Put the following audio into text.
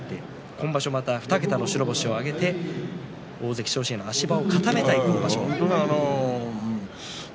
今場所また２桁の白星を挙げて大関昇進への足場固めをしたいですね。